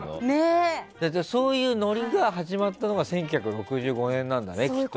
そういうノリが始まったのが１９６５年なんだね。